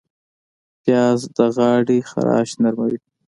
پیاز د غاړې خراش نرموي